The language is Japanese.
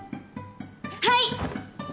はい！